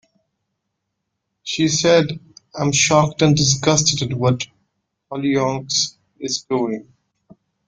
She said: I'm shocked and disgusted at what Hollyoaks is doing.